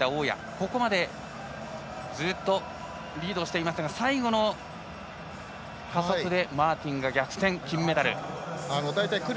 中盤までずっとリードしていましたが最後の加速でマーティンが逆転、金メダル。